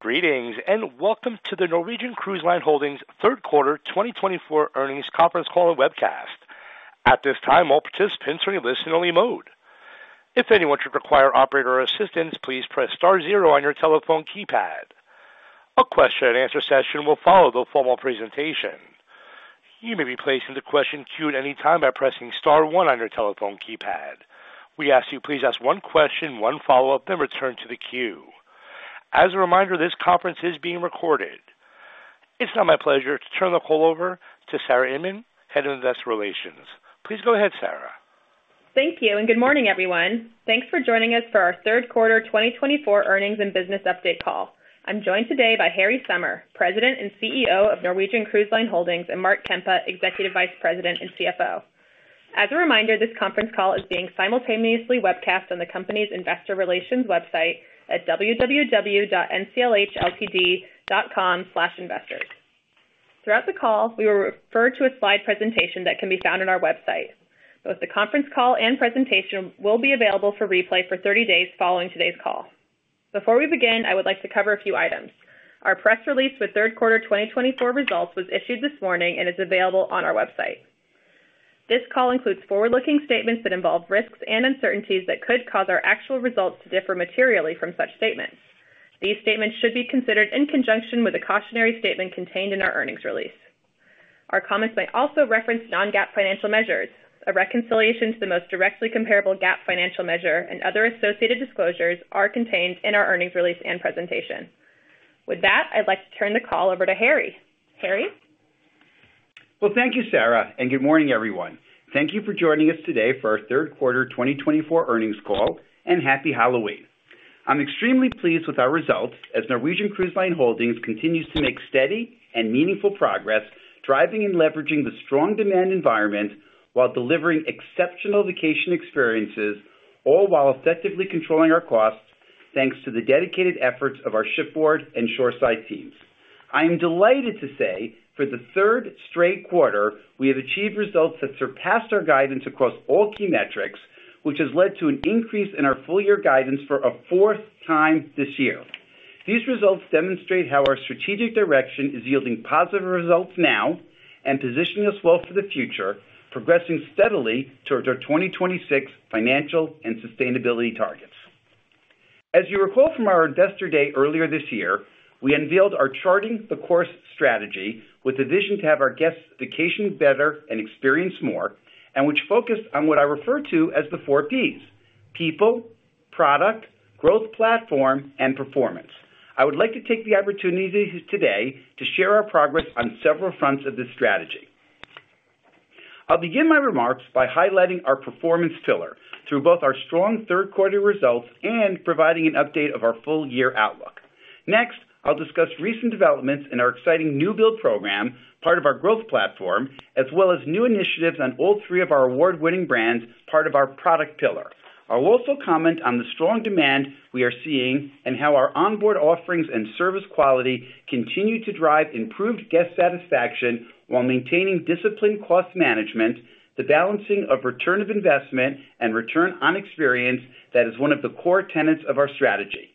Greetings and welcome to the Norwegian Cruise Line Holdings' third quarter 2024 earnings conference call and webcast. At this time, all participants are in listen-only mode. If anyone should require operator assistance, please press star zero on your telephone keypad. A question-and-answer session will follow the formal presentation. You may be placed into question queue at any time by pressing star one on your telephone keypad. We ask that you please ask one question, one follow-up, then return to the queue. As a reminder, this conference is being recorded. It's now my pleasure to turn the call over to Sarah Inmon, Head of Investor Relations. Please go ahead, Sarah. Thank you and good morning, everyone. Thanks for joining us for our third quarter 2024 earnings and business update call. I'm joined today by Harry Sommer, President and CEO of Norwegian Cruise Line Holdings, and Mark Kempa, Executive Vice President and CFO. As a reminder, this conference call is being simultaneously webcast on the company's Investor Relations website at www.nclhltd.com/investors. Throughout the call, we will refer to a slide presentation that can be found on our website. Both the conference call and presentation will be available for replay for 30 days following today's call. Before we begin, I would like to cover a few items. Our press release with third quarter 2024 results was issued this morning and is available on our website. This call includes forward-looking statements that involve risks and uncertainties that could cause our actual results to differ materially from such statements. These statements should be considered in conjunction with a cautionary statement contained in our earnings release. Our comments may also reference non-GAAP financial measures. A reconciliation to the most directly comparable GAAP financial measure and other associated disclosures are contained in our earnings release and presentation. With that, I'd like to turn the call over to Harry. Harry? Thank you, Sarah, and good morning, everyone. Thank you for joining us today for our third quarter 2024 earnings call and happy Halloween. I'm extremely pleased with our results as Norwegian Cruise Line Holdings continues to make steady and meaningful progress, driving and leveraging the strong demand environment while delivering exceptional vacation experiences, all while effectively controlling our costs, thanks to the dedicated efforts of our shipboard and shoreside teams. I am delighted to say, for the third straight quarter, we have achieved results that surpassed our guidance across all key metrics, which has led to an increase in our full-year guidance for a fourth time this year. These results demonstrate how our strategic direction is yielding positive results now and positioning us well for the future, progressing steadily towards our 2026 financial and sustainability targets. As you recall from our investor day earlier this year, we unveiled our Charting the Course strategy with the vision to have our guests vacation better and experience more, and which focused on what I refer to as the four P's: People, Product, Growth, Platform, and Performance. I would like to take the opportunity today to share our progress on several fronts of this strategy. I'll begin my remarks by highlighting our performance pillar through both our strong third quarter results and providing an update of our full-year outlook. Next, I'll discuss recent developments in our exciting New Build program, part of our Growth Platform, as well as new initiatives on all three of our award-winning brands, part of our Product Pillar. I'll also comment on the strong demand we are seeing and how our onboard offerings and service quality continue to drive improved guest satisfaction while maintaining disciplined cost management, the balancing of return on investment and return on experience that is one of the core tenets of our strategy.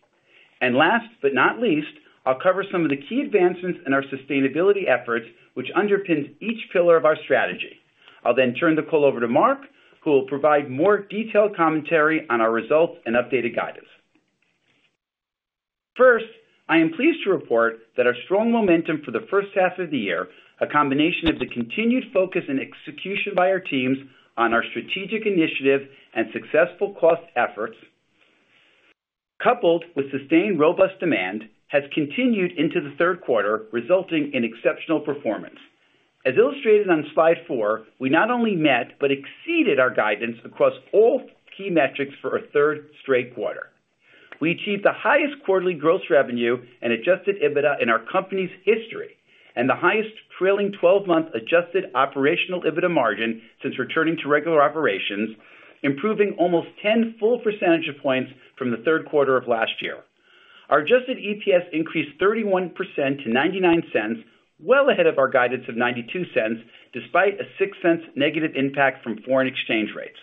And last but not least, I'll cover some of the key advancements in our sustainability efforts, which underpins each pillar of our strategy. I'll then turn the call over to Mark, who will provide more detailed commentary on our results and updated guidance. First, I am pleased to report that our strong momentum for the first half of the year, a combination of the continued focus and execution by our teams on our strategic initiative and successful cost efforts, coupled with sustained robust demand, has continued into the third quarter, resulting in exceptional performance. As illustrated on slide four, we not only met but exceeded our guidance across all key metrics for a third straight quarter. We achieved the highest quarterly gross revenue and adjusted EBITDA in our company's history, and the highest trailing 12-month adjusted operational EBITDA margin since returning to regular operations, improving almost 10 full percentage points from the third quarter of last year. Our adjusted EPS increased 31% to $0.99, well ahead of our guidance of $0.92, despite a $0.06 negative impact from foreign exchange rates,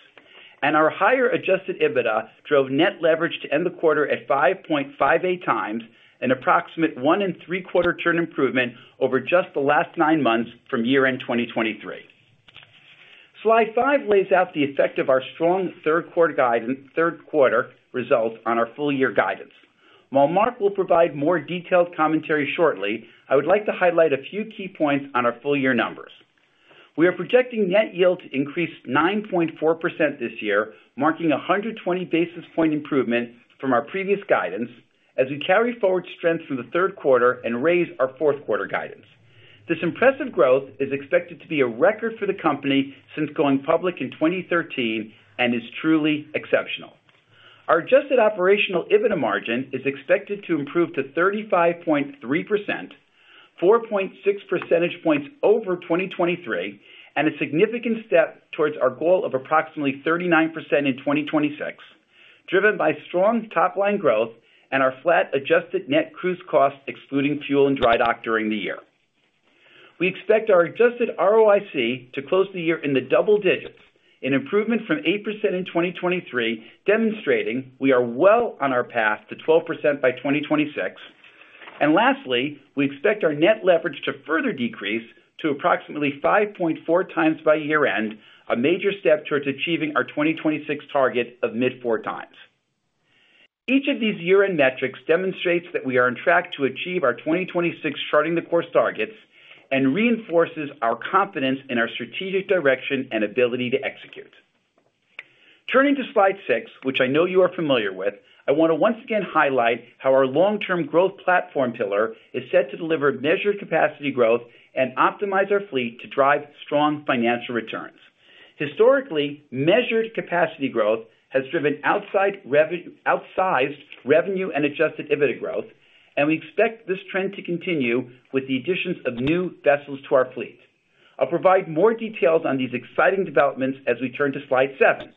and our higher adjusted EBITDA drove net leverage to end the quarter at 5.58 times, an approximate one and three-quarter turn improvement over just the last nine months from year-end 2023. Slide five lays out the effect of our strong third quarter results on our full-year guidance. While Mark will provide more detailed commentary shortly, I would like to highlight a few key points on our full-year numbers. We are projecting net yield to increase 9.4% this year, marking a 120 basis points improvement from our previous guidance, as we carry forward strength from the third quarter and raise our fourth quarter guidance. This impressive growth is expected to be a record for the company since going public in 2013 and is truly exceptional. Our adjusted operational EBITDA margin is expected to improve to 35.3%, 4.6 percentage points over 2023, and a significant step towards our goal of approximately 39% in 2026, driven by strong top-line growth and our flat adjusted net cruise costs, excluding fuel and dry dock during the year. We expect our adjusted ROIC to close the year in the double digits, an improvement from 8% in 2023, demonstrating we are well on our path to 12% by 2026. And lastly, we expect our net leverage to further decrease to approximately 5.4 times by year-end, a major step towards achieving our 2026 target of mid-four times. Each of these year-end metrics demonstrates that we are on track to achieve our 2026 Charting the Course targets and reinforces our confidence in our strategic direction and ability to execute. Turning to slide six, which I know you are familiar with, I want to once again highlight how our long-term growth platform pillar is set to deliver measured capacity growth and optimize our fleet to drive strong financial returns. Historically, measured capacity growth has driven outsized revenue and Adjusted EBITDA growth, and we expect this trend to continue with the additions of new vessels to our fleet. I'll provide more details on these exciting developments as we turn to slide seven.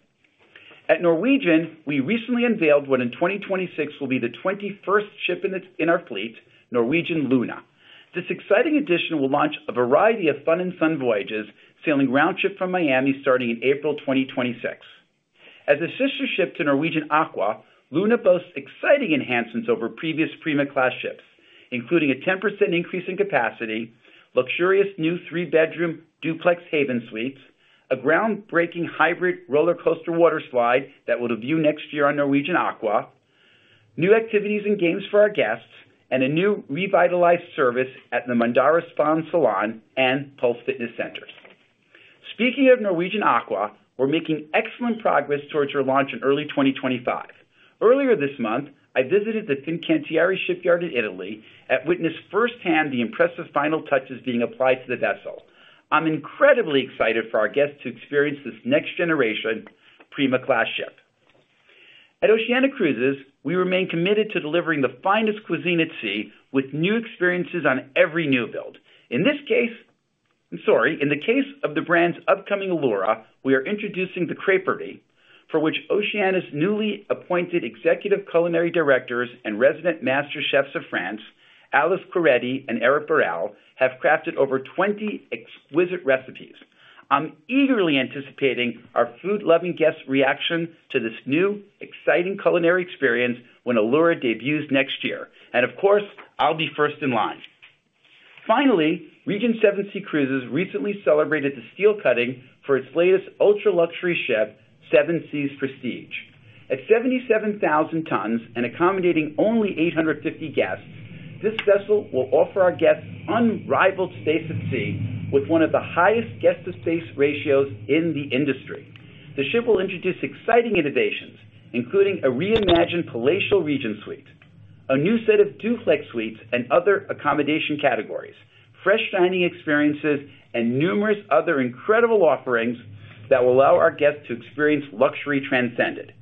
At Norwegian, we recently unveiled what in 2026 will be the 21st ship in our fleet, Norwegian Luna. This exciting addition will launch a variety of fun-and-sun voyages, sailing round-trip from Miami starting in April 2026. As a sister ship to Norwegian Aqua, Luna boasts exciting enhancements over previous Prima-class ships, including a 10% increase in capacity, luxurious new three-bedroom duplex Haven suites, a groundbreaking hybrid roller coaster water slide that will debut next year on Norwegian Aqua, new activities and games for our guests, and a new revitalized service at the Mandara Spa and Salon and Pulse Fitness Centers. Speaking of Norwegian Aqua, we're making excellent progress towards your launch in early 2025. Earlier this month, I visited the Fincantieri shipyard in Italy and witnessed firsthand the impressive final touches being applied to the vessel. I'm incredibly excited for our guests to experience this next-generation Prima-class ship. At Oceania Cruises, we remain committed to delivering the finest cuisine at sea with new experiences on every new build. In this case, I'm sorry, in the case of the brand's upcoming Allura, we are introducing the Crêperie, for which Oceania's newly appointed executive culinary directors and resident master chefs of France, Alexis Quaretti and Eric Barale, have crafted over 20 exquisite recipes. I'm eagerly anticipating our food-loving guests' reaction to this new, exciting culinary experience when Allura debuts next year. And of course, I'll be first in line. Finally, Regent Seven Seas Cruises recently celebrated the steel cutting for its latest ultra-luxury ship, Seven Seas Prestige. At 77,000 tons and accommodating only 850 guests, this vessel will offer our guests unrivaled space at sea with one of the highest guest-to-space ratios in the industry. The ship will introduce exciting innovations, including a reimagined palatial Regent Suite, a new set of duplex suites and other accommodation categories, fresh dining experiences, and numerous other incredible offerings that will allow our guests to experience luxury transcended.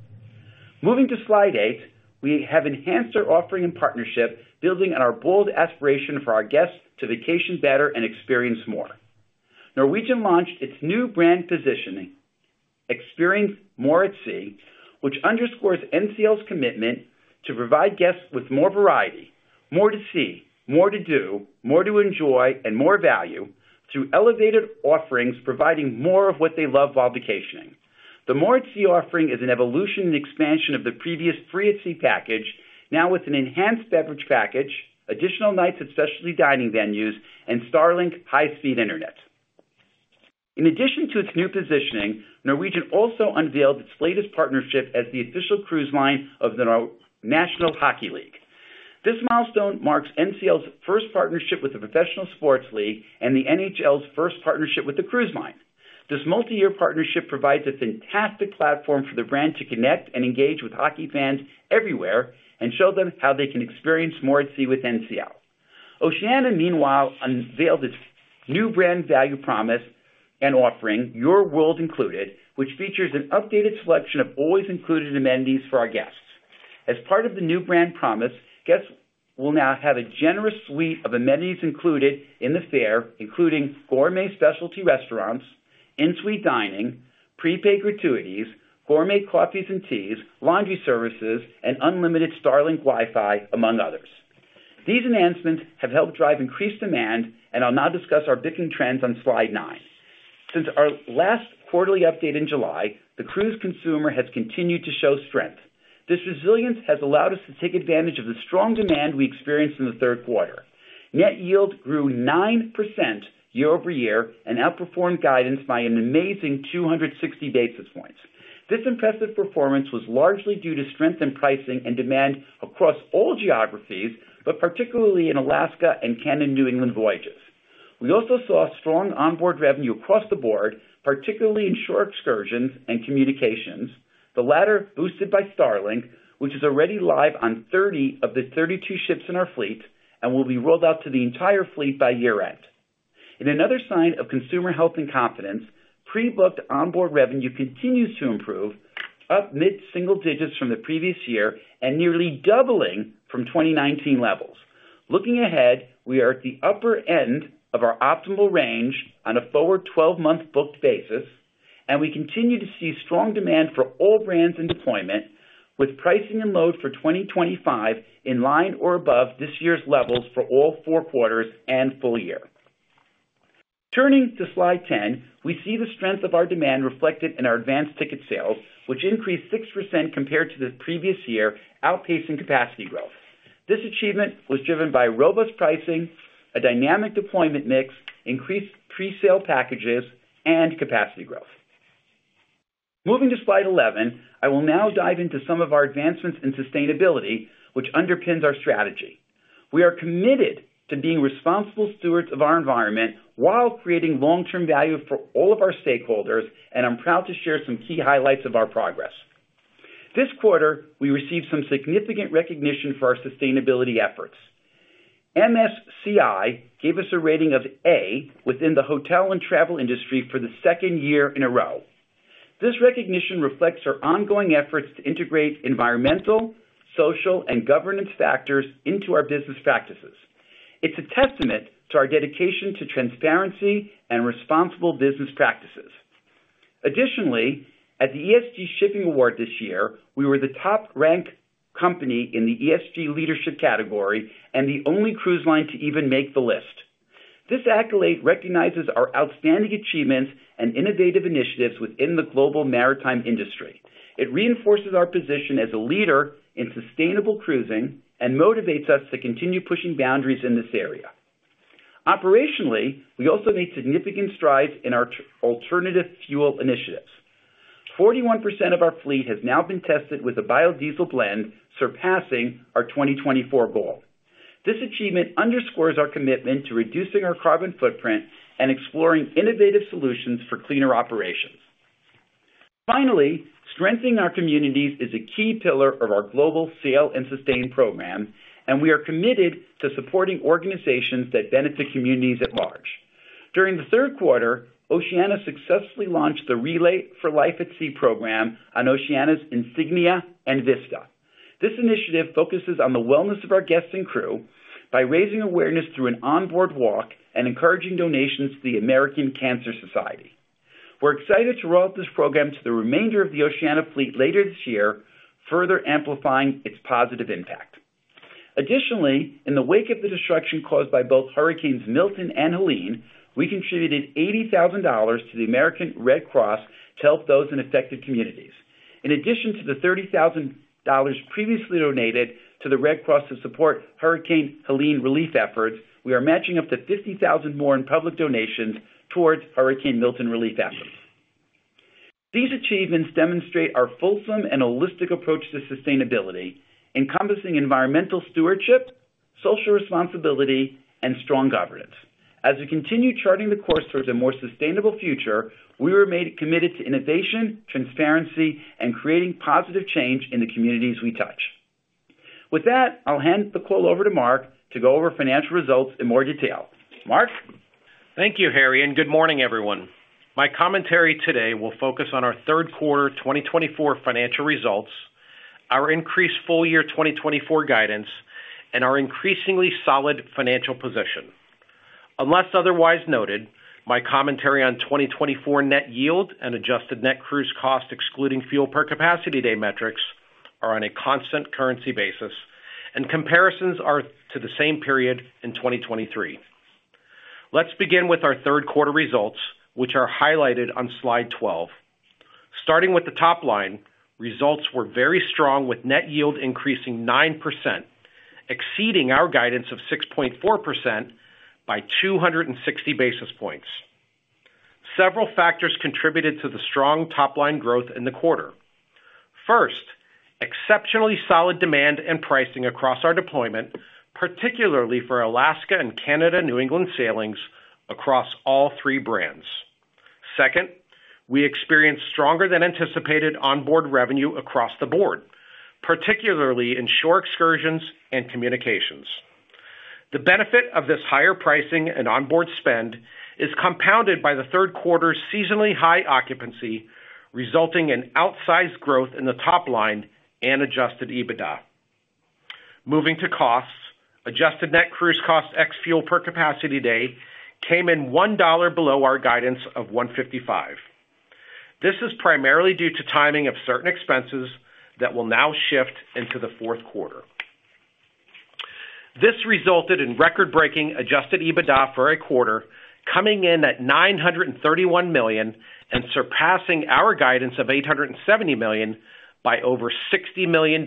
Moving to slide eight, we have enhanced our offering and partnership, building on our bold aspiration for our guests to vacation better and experience more. Norwegian launched its new brand positioning, More at Sea, which underscores NCL's commitment to provide guests with more variety, more to see, more to do, more to enjoy, and more value through elevated offerings, providing more of what they love while vacationing. The More at Sea offering is an evolution and expansion of the previous Free at Sea package, now with an enhanced beverage package, additional nights at specialty dining venues, and Starlink high-speed internet. In addition to its new positioning, Norwegian also unveiled its latest partnership as the official cruise line of the National Hockey League. This milestone marks NCL's first partnership with the professional sports league and the NHL's first partnership with the cruise line. This multi-year partnership provides a fantastic platform for the brand to connect and engage with hockey fans everywhere and show them how they can experience more at sea with NCL. Oceania, meanwhile, unveiled its new brand value promise and offering, Your World Included, which features an updated selection of always-included amenities for our guests. As part of the new brand promise, guests will now have a generous suite of amenities included in the fare, including gourmet specialty restaurants, en suite dining, prepaid gratuities, gourmet coffees and teas, laundry services, and unlimited Starlink Wi-Fi, among others. These enhancements have helped drive increased demand, and I'll now discuss our booking trends on slide nine. Since our last quarterly update in July, the cruise consumer has continued to show strength. This resilience has allowed us to take advantage of the strong demand we experienced in the third quarter. Net Yield grew 9% year over year and outperformed guidance by an amazing 260 basis points. This impressive performance was largely due to strength in pricing and demand across all geographies, but particularly in Alaska and Canada, New England voyages. We also saw strong onboard revenue across the board, particularly in shore excursions and communications, the latter boosted by Starlink, which is already live on 30 of the 32 ships in our fleet and will be rolled out to the entire fleet by year-end. In another sign of consumer health and confidence, pre-booked onboard revenue continues to improve, up mid-single digits from the previous year and nearly doubling from 2019 levels. Looking ahead, we are at the upper end of our optimal range on a forward 12-month booked basis, and we continue to see strong demand for all brands and deployment, with pricing and load for 2025 in line or above this year's levels for all four quarters and full year. Turning to slide 10, we see the strength of our demand reflected in our advanced ticket sales, which increased 6% compared to the previous year, outpacing capacity growth. This achievement was driven by robust pricing, a dynamic deployment mix, increased pre-sale packages, and capacity growth. Moving to slide 11, I will now dive into some of our advancements in sustainability, which underpins our strategy. We are committed to being responsible stewards of our environment while creating long-term value for all of our stakeholders, and I'm proud to share some key highlights of our progress. This quarter, we received some significant recognition for our sustainability efforts. MSCI gave us a rating of A within the hotel and travel industry for the second year in a row. This recognition reflects our ongoing efforts to integrate environmental, social, and governance factors into our business practices. It's a testament to our dedication to transparency and responsible business practices. Additionally, at the ESG Shipping Award this year, we were the top-ranked company in the ESG leadership category and the only cruise line to even make the list. This accolade recognizes our outstanding achievements and innovative initiatives within the global maritime industry. It reinforces our position as a leader in sustainable cruising and motivates us to continue pushing boundaries in this area. Operationally, we also made significant strides in our alternative fuel initiatives. 41% of our fleet has now been tested with a biodiesel blend, surpassing our 2024 goal. This achievement underscores our commitment to reducing our carbon footprint and exploring innovative solutions for cleaner operations. Finally, strengthening our communities is a key pillar of our global Sail & Sustain program, and we are committed to supporting organizations that benefit communities at large. During the third quarter, Oceania successfully launched the Relay For Life at Sea program on Oceania's Insignia and Vista. This initiative focuses on the wellness of our guests and crew by raising awareness through an onboard walk and encouraging donations to the American Cancer Society. We're excited to roll out this program to the remainder of the Oceania fleet later this year, further amplifying its positive impact. Additionally, in the wake of the destruction caused by both Hurricanes Milton and Helene, we contributed $80,000 to the American Red Cross to help those in affected communities. In addition to the $30,000 previously donated to the Red Cross to support Hurricane Helene relief efforts, we are matching up to $50,000 more in public donations towards Hurricane Milton relief efforts. These achievements demonstrate our fulsome and holistic approach to sustainability, encompassing environmental stewardship, social responsibility, and strong governance. As we continue charting the course towards a more sustainable future, we remain committed to innovation, transparency, and creating positive change in the communities we touch. With that, I'll hand the call over to Mark to go over financial results in more detail. Mark. Thank you, Harry. And good morning, everyone. My commentary today will focus on our third quarter 2024 financial results, our increased full-year 2024 guidance, and our increasingly solid financial position. Unless otherwise noted, my commentary on 2024 net yield and adjusted net cruise cost, excluding fuel per capacity day metrics, are on a constant currency basis, and comparisons are to the same period in 2023. Let's begin with our third quarter results, which are highlighted on slide 12. Starting with the top line, results were very strong, with net yield increasing 9%, exceeding our guidance of 6.4% by 260 basis points. Several factors contributed to the strong top-line growth in the quarter. First, exceptionally solid demand and pricing across our deployment, particularly for Alaska and Canada, New England sailings across all three brands. Second, we experienced stronger than anticipated onboard revenue across the board, particularly in shore excursions and communications. The benefit of this higher pricing and onboard spend is compounded by the third quarter's seasonally high occupancy, resulting in outsized growth in the top line and adjusted EBITDA. Moving to costs, adjusted net cruise cost x fuel per capacity day came in $1 below our guidance of $155. This is primarily due to timing of certain expenses that will now shift into the fourth quarter. This resulted in record-breaking adjusted EBITDA for a quarter, coming in at $931 million and surpassing our guidance of $870 million by over $60 million,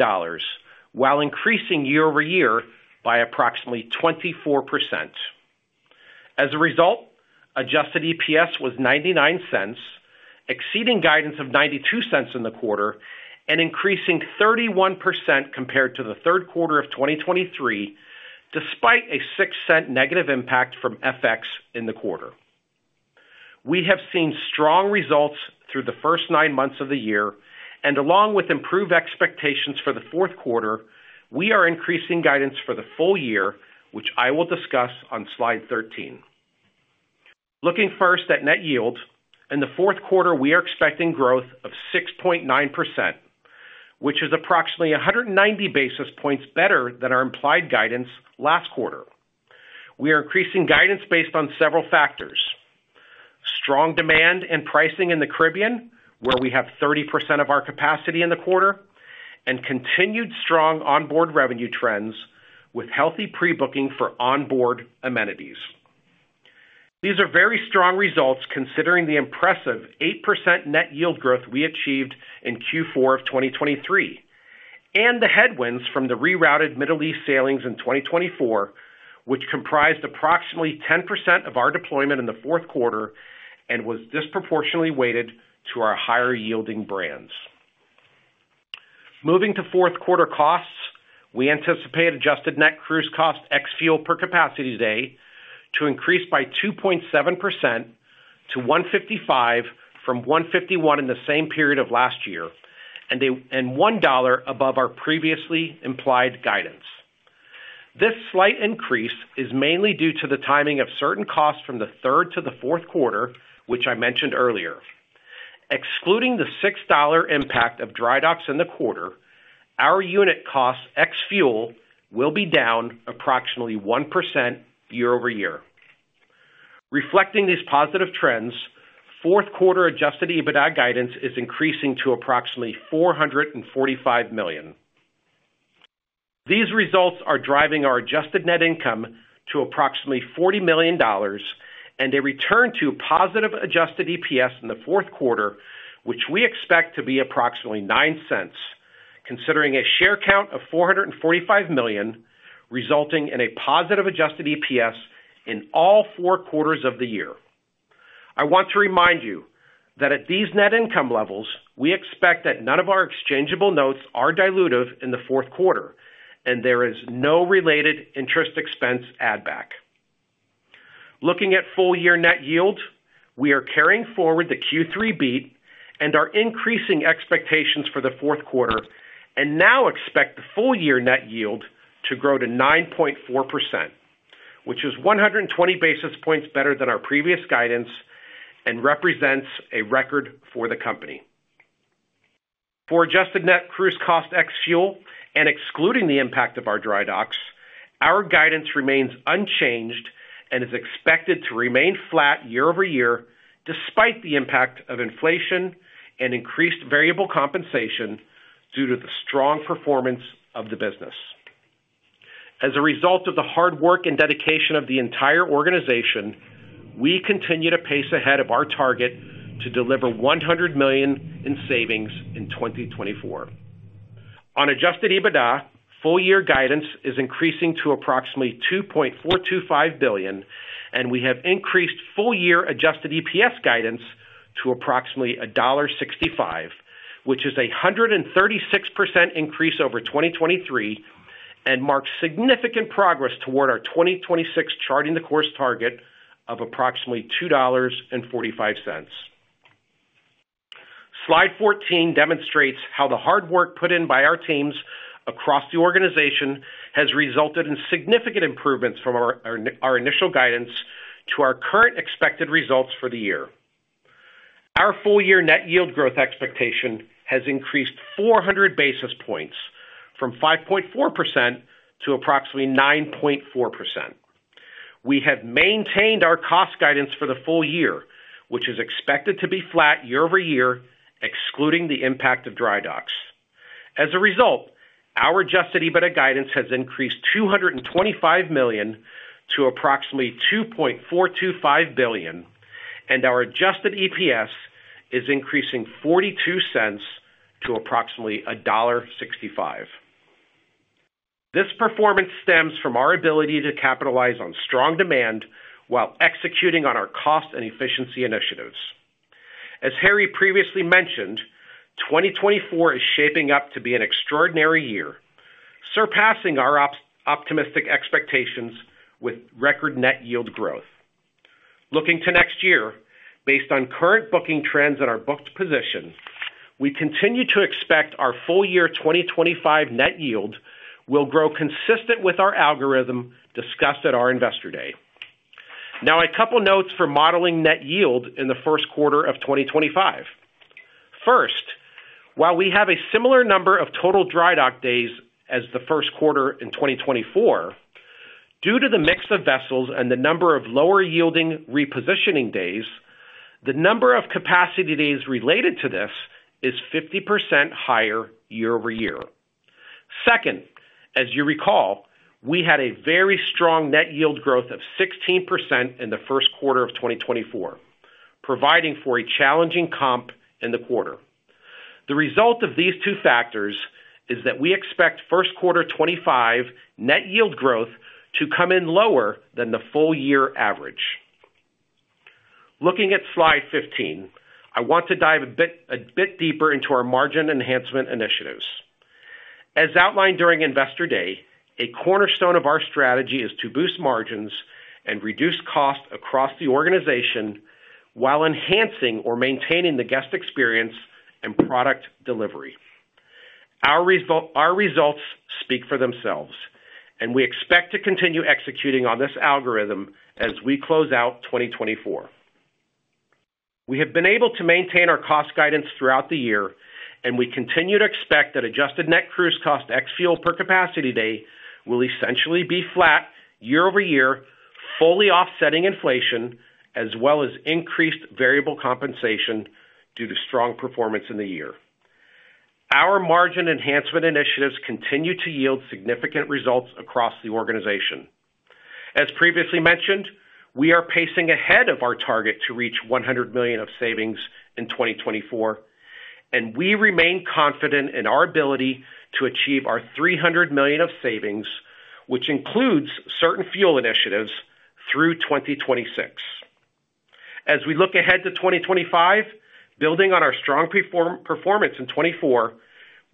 while increasing year-over-year by approximately 24%. As a result, adjusted EPS was $0.99, exceeding guidance of $0.92 in the quarter and increasing 31% compared to the third quarter of 2023, despite a $0.06 negative impact from FX in the quarter. We have seen strong results through the first nine months of the year, and along with improved expectations for the fourth quarter, we are increasing guidance for the full year, which I will discuss on slide 13. Looking first at net yield, in the fourth quarter, we are expecting growth of 6.9%, which is approximately 190 basis points better than our implied guidance last quarter. We are increasing guidance based on several factors: strong demand and pricing in the Caribbean, where we have 30% of our capacity in the quarter, and continued strong onboard revenue trends with healthy pre-booking for onboard amenities. These are very strong results considering the impressive 8% net yield growth we achieved in Q4 of 2023 and the headwinds from the rerouted Middle East sailings in 2024, which comprised approximately 10% of our deployment in the fourth quarter and was disproportionately weighted to our higher-yielding brands. Moving to fourth quarter costs, we anticipate adjusted net cruise cost x fuel per capacity day to increase by 2.7% to $155 from $151 in the same period of last year and $1 above our previously implied guidance. This slight increase is mainly due to the timing of certain costs from the third to the fourth quarter, which I mentioned earlier. Excluding the $6 impact of dry docks in the quarter, our unit cost x fuel will be down approximately 1% year-over-year. Reflecting these positive trends, fourth quarter adjusted EBITDA guidance is increasing to approximately $445 million. These results are driving our adjusted net income to approximately $40 million and a return to positive adjusted EPS in the fourth quarter, which we expect to be approximately $0.09, considering a share count of 445 million, resulting in a positive adjusted EPS in all four quarters of the year. I want to remind you that at these net income levels, we expect that none of our exchangeable notes are dilutive in the fourth quarter, and there is no related interest expense add-back. Looking at full-year net yield, we are carrying forward the Q3 beat and are increasing expectations for the fourth quarter and now expect the full-year net yield to grow to 9.4%, which is 120 basis points better than our previous guidance and represents a record for the company. For adjusted net cruise cost ex fuel and excluding the impact of our dry docks, our guidance remains unchanged and is expected to remain flat year-over-year despite the impact of inflation and increased variable compensation due to the strong performance of the business. As a result of the hard work and dedication of the entire organization, we continue to pace ahead of our target to deliver $100 million in savings in 2024. On Adjusted EBITDA, full-year guidance is increasing to approximately $2.425 billion, and we have increased full-year Adjusted EPS guidance to approximately $1.65, which is a 136% increase over 2023 and marks significant progress toward our 2026 Charting the Course target of approximately $2.45. Slide 14 demonstrates how the hard work put in by our teams across the organization has resulted in significant improvements from our initial guidance to our current expected results for the year. Our full-year net yield growth expectation has increased 400 basis points from 5.4% to approximately 9.4%. We have maintained our cost guidance for the full year, which is expected to be flat year-over-year, excluding the impact of dry docks. As a result, our Adjusted EBITDA guidance has increased $225 million to approximately $2.425 billion, and our Adjusted EPS is increasing $0.42 to approximately $1.65. This performance stems from our ability to capitalize on strong demand while executing on our cost and efficiency initiatives. As Harry previously mentioned, 2024 is shaping up to be an extraordinary year, surpassing our optimistic expectations with record net yield growth. Looking to next year, based on current booking trends in our booked position, we continue to expect our full-year 2025 net yield will grow consistent with our algorithm discussed at our investor day. Now, a couple of notes for modeling net yield in the first quarter of 2025. First, while we have a similar number of total dry dock days as the first quarter in 2024, due to the mix of vessels and the number of lower-yielding repositioning days, the number of capacity days related to this is 50% higher year-over-year. Second, as you recall, we had a very strong net yield growth of 16% in the first quarter of 2024, providing for a challenging comp in the quarter. The result of these two factors is that we expect first quarter 2025 net yield growth to come in lower than the full-year average. Looking at slide 15, I want to dive a bit deeper into our margin enhancement initiatives. As outlined during investor day, a cornerstone of our strategy is to boost margins and reduce cost across the organization while enhancing or maintaining the guest experience and product delivery. Our results speak for themselves, and we expect to continue executing on this algorithm as we close out 2024. We have been able to maintain our cost guidance throughout the year, and we continue to expect that adjusted net cruise cost x fuel per capacity day will essentially be flat year-over-year, fully offsetting inflation as well as increased variable compensation due to strong performance in the year. Our margin enhancement initiatives continue to yield significant results across the organization. As previously mentioned, we are pacing ahead of our target to reach $100 million of savings in 2024, and we remain confident in our ability to achieve our $300 million of savings, which includes certain fuel initiatives, through 2026. As we look ahead to 2025, building on our strong performance in 2024,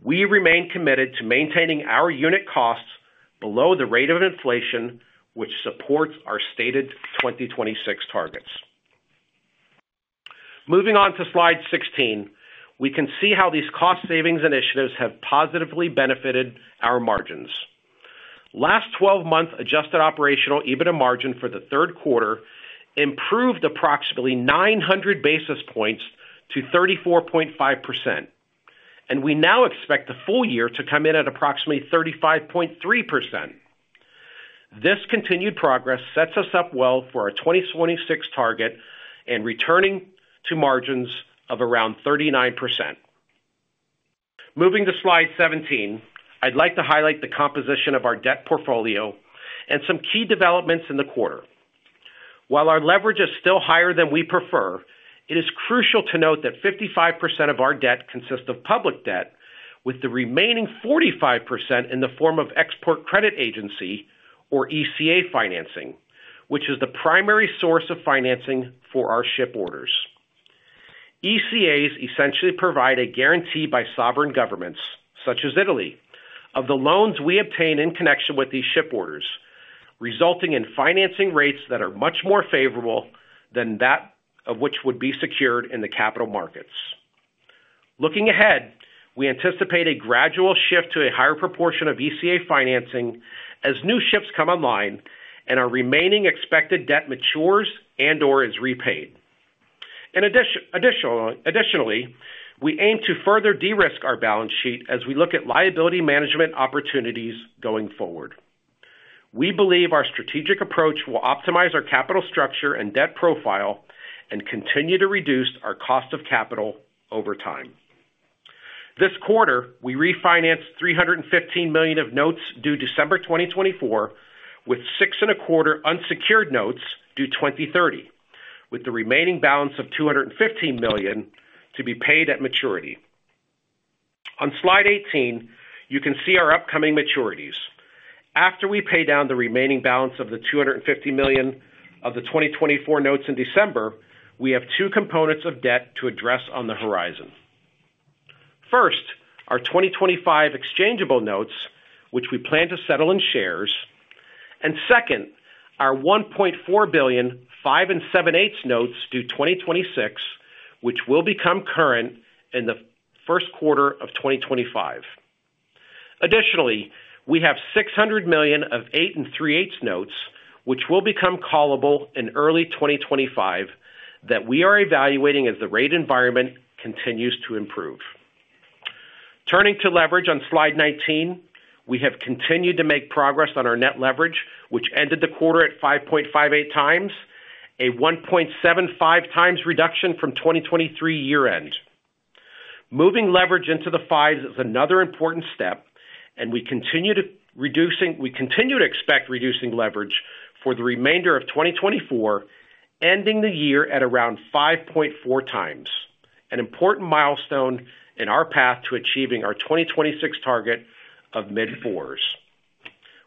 we remain committed to maintaining our unit costs below the rate of inflation, which supports our stated 2026 targets. Moving on to slide 16, we can see how these cost savings initiatives have positively benefited our margins. Last 12-month adjusted operational EBITDA margin for the third quarter improved approximately 900 basis points to 34.5%, and we now expect the full year to come in at approximately 35.3%. This continued progress sets us up well for our 2026 target and returning to margins of around 39%. Moving to slide 17, I'd like to highlight the composition of our debt portfolio and some key developments in the quarter. While our leverage is still higher than we prefer, it is crucial to note that 55% of our debt consists of public debt, with the remaining 45% in the form of export credit agency, or ECA, financing, which is the primary source of financing for our ship orders. ECAs essentially provide a guarantee by sovereign governments, such as Italy, of the loans we obtain in connection with these ship orders, resulting in financing rates that are much more favorable than that of which would be secured in the capital markets. Looking ahead, we anticipate a gradual shift to a higher proportion of ECA financing as new ships come online and our remaining expected debt matures and/or is repaid. Additionally, we aim to further de-risk our balance sheet as we look at liability management opportunities going forward. We believe our strategic approach will optimize our capital structure and debt profile and continue to reduce our cost of capital over time. This quarter, we refinanced $315 million of notes due December 2024, with 6.25% unsecured notes due 2030, with the remaining balance of $215 million to be paid at maturity. On slide 18, you can see our upcoming maturities. After we pay down the remaining balance of the $250 million of the 2024 notes in December, we have two components of debt to address on the horizon. First, our 2025 exchangeable notes, which we plan to settle in shares, and second, our $1.4 billion 5.875% notes due 2026, which will become current in the first quarter of 2025. Additionally, we have $600 million of 8 and 3/8 notes, which will become callable in early 2025, that we are evaluating as the rate environment continues to improve. Turning to leverage on slide 19, we have continued to make progress on our net leverage, which ended the quarter at 5.58 times, a 1.75 times reduction from 2023 year-end. Moving leverage into the 5s is another important step, and we continue to expect reducing leverage for the remainder of 2024, ending the year at around 5.4 times, an important milestone in our path to achieving our 2026 target of mid-4s.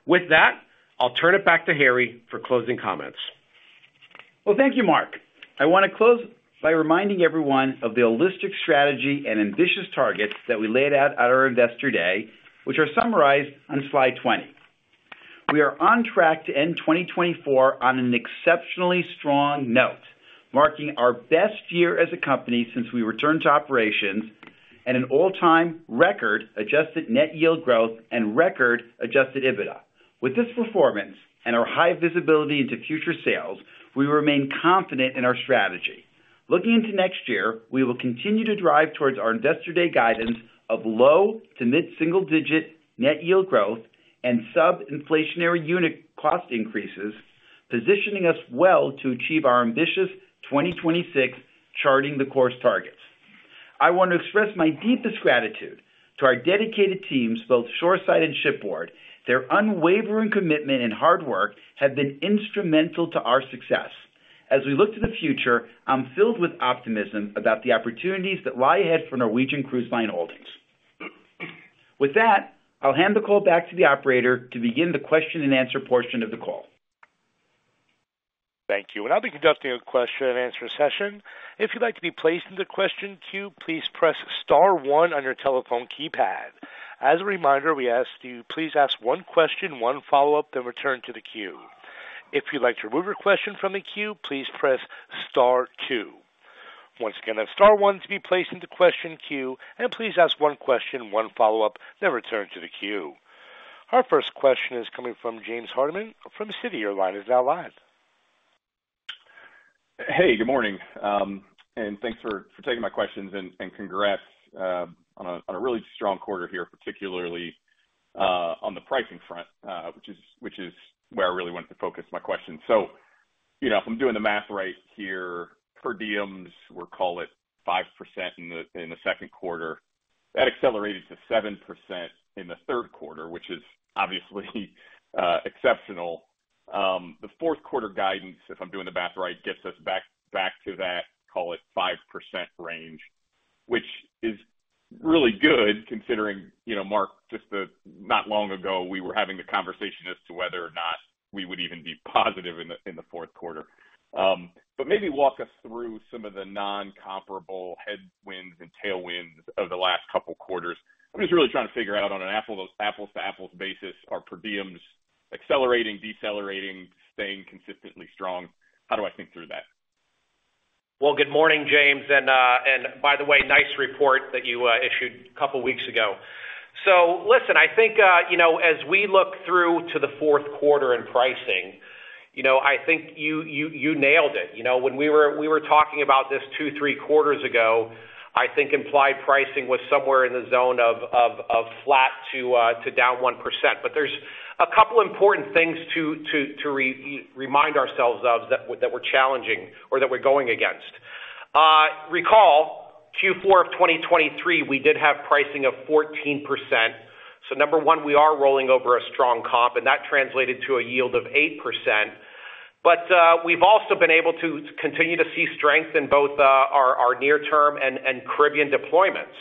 With that, I'll turn it back to Harry for closing comments. Thank you, Mark. I want to close by reminding everyone of the holistic strategy and ambitious targets that we laid out at our investor day, which are summarized on slide 20. We are on track to end 2024 on an exceptionally strong note, marking our best year as a company since we returned to operations and an all-time record adjusted net yield growth and record adjusted EBITDA. With this performance and our high visibility into future sales, we remain confident in our strategy. Looking into next year, we will continue to drive towards our investor day guidance of low to mid-single-digit net yield growth and sub-inflationary unit cost increases, positioning us well to achieve our ambitious 2026 Charting the Course targets. I want to express my deepest gratitude to our dedicated teams, both shoreside and shipboard. Their unwavering commitment and hard work have been instrumental to our success. As we look to the future, I'm filled with optimism about the opportunities that lie ahead for Norwegian Cruise Line Holdings. With that, I'll hand the call back to the operator to begin the question-and-answer portion of the call. Thank you. And I'll be conducting a question-and-answer session. If you'd like to be placed in the question queue, please press Star 1 on your telephone keypad. As a reminder, we ask that you please ask one question, one follow-up, then return to the queue. If you'd like to remove your question from the queue, please press Star 2. Once again, that's Star 1 to be placed in the question queue, and please ask one question, one follow-up, then return to the queue. Our first question is coming from James Hardiman from Citi. Now live. Hey, good morning. And thanks for taking my questions and congrats on a really strong quarter here, particularly on the pricing front, which is where I really wanted to focus my question. So if I'm doing the math right here, per diems, we'll call it 5% in the second quarter. That accelerated to 7% in the third quarter, which is obviously exceptional. The fourth quarter guidance, if I'm doing the math right, gets us back to that, call it, 5% range, which is really good considering, Mark, just not long ago, we were having the conversation as to whether or not we would even be positive in the fourth quarter. But maybe walk us through some of the non-comparable headwinds and tailwinds of the last couple of quarters. I'm just really trying to figure out on an apples-to-apples basis, are per diems accelerating, decelerating, staying consistently strong? How do I think through that? Good morning, James. By the way, nice report that you issued a couple of weeks ago. Listen, I think as we look through to the fourth quarter in pricing, I think you nailed it. When we were talking about this two, three quarters ago, I think implied pricing was somewhere in the zone of flat to down 1%. There's a couple of important things to remind ourselves of that we're challenging or that we're going against. Recall, Q4 of 2023, we did have pricing of 14%. Number one, we are rolling over a strong comp, and that translated to a yield of 8%. We've also been able to continue to see strength in both our near-term and Caribbean deployments.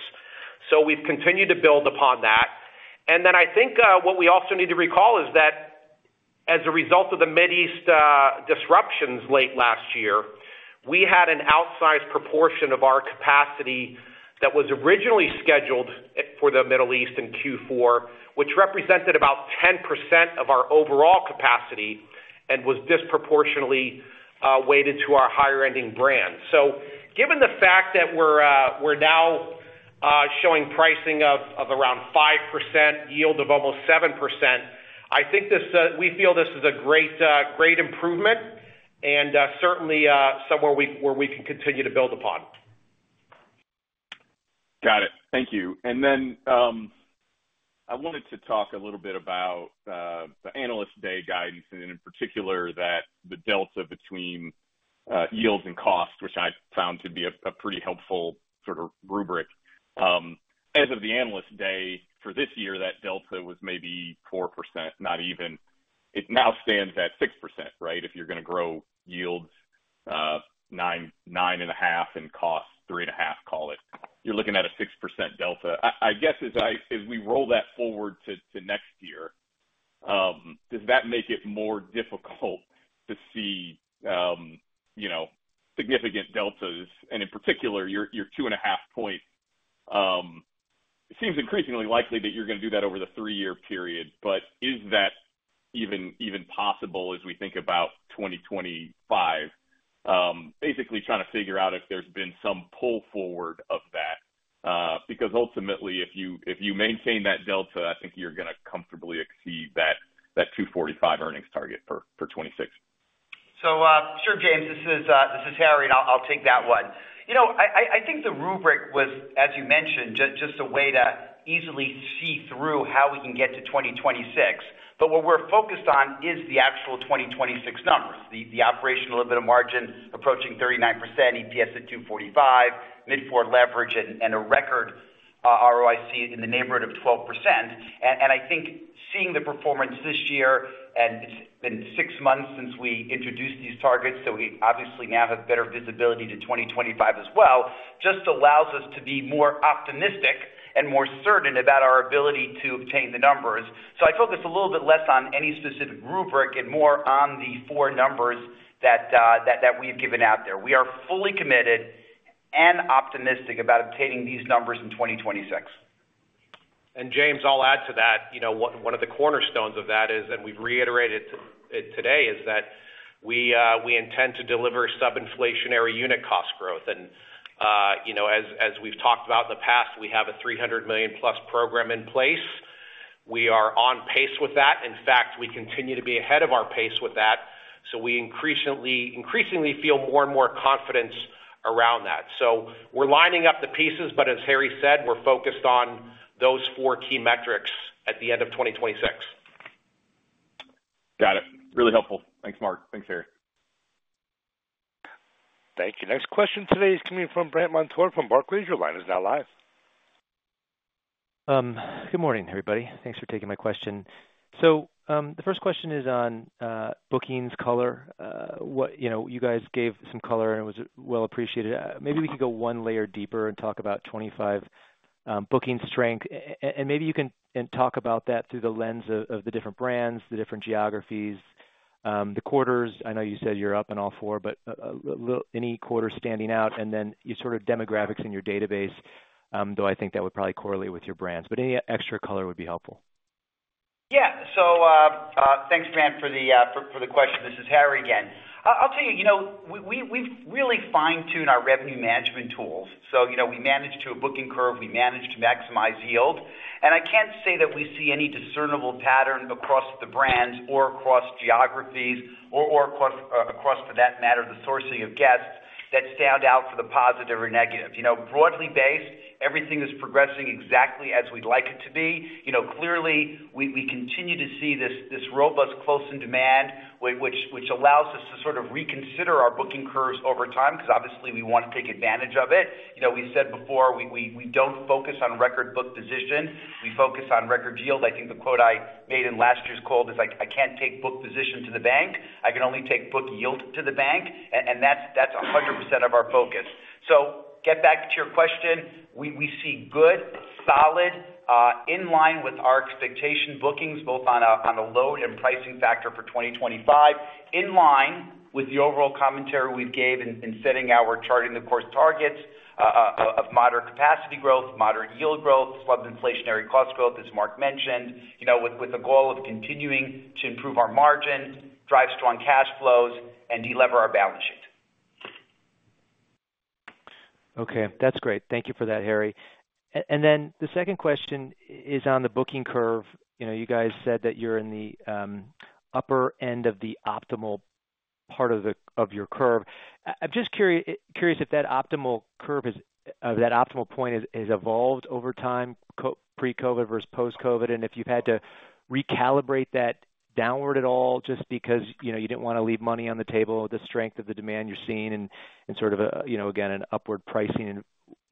We've continued to build upon that. And then I think what we also need to recall is that as a result of the Middle East disruptions late last year, we had an outsized proportion of our capacity that was originally scheduled for the Middle East in Q4, which represented about 10% of our overall capacity and was disproportionately weighted to our higher-yielding brands. So given the fact that we're now showing pricing of around 5%, yield of almost 7%, I think we feel this is a great improvement and certainly somewhere where we can continue to build upon. Got it. Thank you. And then I wanted to talk a little bit about the analyst day guidance, and in particular, that the delta between yields and costs, which I found to be a pretty helpful sort of rubric. As of the analyst day for this year, that delta was maybe 4%, not even. It now stands at 6%, right? If you're going to grow yields 9.5% and costs 3.5%, call it, you're looking at a 6% delta. I guess as we roll that forward to next year, does that make it more difficult to see significant deltas? And in particular, your 2.5-point, it seems increasingly likely that you're going to do that over the three-year period. But is that even possible as we think about 2025? Basically trying to figure out if there's been some pull forward of that. Because ultimately, if you maintain that delta, I think you're going to comfortably exceed that 245 earnings target for 2026. Sure, James. This is Harry. I'll take that one. I think the rubric was, as you mentioned, just a way to easily see through how we can get to 2026. But what we're focused on is the actual 2026 numbers. The operational EBITDA margin approaching 39%, EPS at $2.45, mid-4 leverage, and a record ROIC in the neighborhood of 12%. I think seeing the performance this year, and it's been six months since we introduced these targets, so we obviously now have better visibility to 2025 as well, just allows us to be more optimistic and more certain about our ability to obtain the numbers. I focus a little bit less on any specific rubric and more on the four numbers that we've given out there. We are fully committed and optimistic about obtaining these numbers in 2026. James, I'll add to that. One of the cornerstones of that, as we've reiterated today, is that we intend to deliver sub-inflationary unit cost growth, and as we've talked about in the past, we have a $300 million-plus program in place. We are on pace with that. In fact, we continue to be ahead of our pace with that, so we're lining up the pieces, but as Harry said, we're focused on those four key metrics at the end of 2026. Got it. Really helpful. Thanks, Mark. Thanks, Harry. Thank you. Next question today is coming from Brant Montour from Barclays. Your line is now live. Good morning, everybody. Thanks for taking my question. So the first question is on bookings color. You guys gave some color, and it was well appreciated. Maybe we could go one layer deeper and talk about 2025 booking strength. And maybe you can talk about that through the lens of the different brands, the different geographies, the quarters. I know you said you're up in all four, but any quarter standing out, and then your sort of demographics in your database, though I think that would probably correlate with your brands. But any extra color would be helpful. Yeah. So thanks, Brant, for the question. This is Harry again. I'll tell you, we've really fine-tuned our revenue management tools. So we managed to booking curve. We managed to maximize yield. And I can't say that we see any discernible pattern across the brands or across geographies or across, for that matter, the sourcing of guests that stand out for the positive or negative. Broadly based, everything is progressing exactly as we'd like it to be. Clearly, we continue to see this robust close in demand, which allows us to sort of reconsider our booking curves over time because obviously, we want to take advantage of it. We said before, we don't focus on record book position. We focus on record yield. I think the quote I made in last year's call is, "I can't take book position to the bank. I can only take book yield to the bank," and that's 100% of our focus, so get back to your question. We see good, solid, in line with our expectation bookings, both on a load and pricing factor for 2025, in line with the overall commentary we gave in setting our Charting the Course targets of moderate capacity growth, moderate yield growth, sub-inflationary cost growth, as Mark mentioned, with a goal of continuing to improve our margin, drive strong cash flows, and deliver our balance sheet. Okay. That's great. Thank you for that, Harry. And then the second question is on the booking curve. You guys said that you're in the upper end of the optimal part of your curve. I'm just curious if that optimal curve, that optimal point, has evolved over time, pre-COVID versus post-COVID, and if you've had to recalibrate that downward at all just because you didn't want to leave money on the table, the strength of the demand you're seeing, and sort of, again, an upward pricing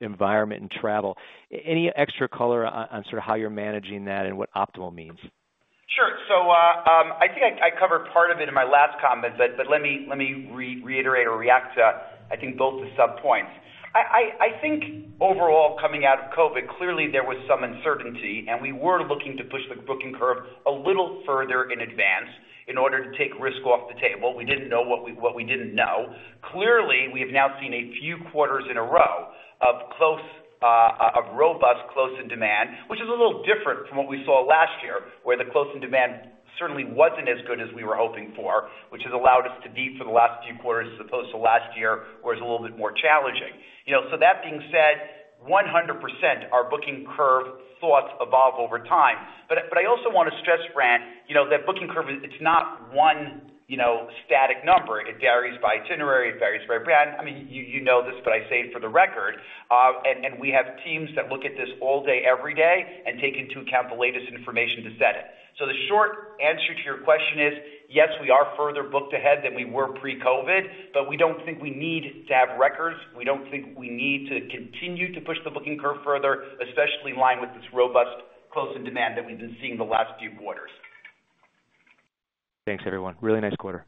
environment and travel. Any extra color on sort of how you're managing that and what optimal means? Sure. So I think I covered part of it in my last comment, but let me reiterate or react to, I think, both the sub points. I think overall, coming out of COVID, clearly, there was some uncertainty, and we were looking to push the booking curve a little further in advance in order to take risk off the table. We didn't know what we didn't know. Clearly, we have now seen a few quarters in a row of robust close in demand, which is a little different from what we saw last year, where the close in demand certainly wasn't as good as we were hoping for, which has allowed us to beat for the last few quarters as opposed to last year, where it's a little bit more challenging. So that being said, 100%, our booking curve thoughts evolve over time. But I also want to stress, Brant, that booking curve, it's not one static number. It varies by itinerary. It varies by brand. I mean, you know this, but I say it for the record. And we have teams that look at this all day, every day, and take into account the latest information to set it. So the short answer to your question is, yes, we are further booked ahead than we were pre-COVID, but we don't think we need to have records. We don't think we need to continue to push the booking curve further, especially in line with this robust close in demand that we've been seeing the last few quarters. Thanks, everyone. Really nice quarter.